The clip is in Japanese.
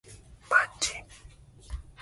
Your attention, please.